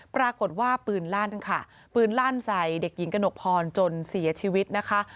ปรากฏว่าปืนลั่นค่ะปืนลั่นใส่เด็กหญิงกระหนกพรจนเสียชีวิตนะคะ